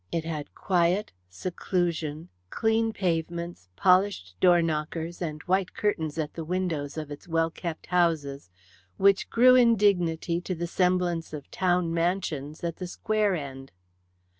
It had quiet, seclusion, clean pavements, polished doorknockers, and white curtains at the windows of its well kept houses, which grew in dignity to the semblance of town mansions at the Square end.